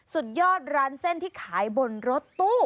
สุดยอดร้านเส้นที่ขายบนรถตู้